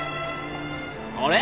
あれ？